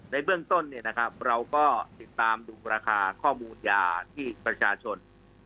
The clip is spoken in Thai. ในเบื้องต้นเราก็ติดตามดูราคาข้อมูลยาที่ประชาชน